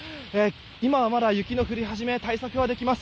今はまだ雪の降り始めで対策はできます。